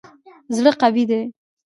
زړه قوي دی.